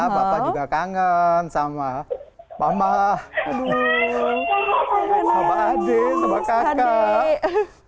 papa juga kangen sama mama aduh sama adik sama kakak